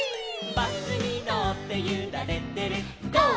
「バスにのってゆられてるゴー！